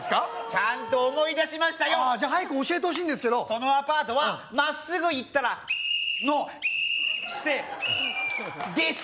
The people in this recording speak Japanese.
ちゃんと思い出しましたよじゃ早く教えてほしいんですけどそのアパートはまっすぐ行ったらのしてです